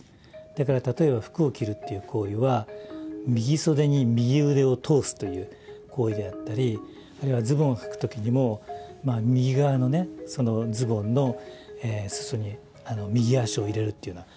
だから例えば服を着るっていう行為は右袖に右腕を通すという行為であったりあるいはズボンをはく時にも右側のねズボンの裾に右足を入れるというような行為。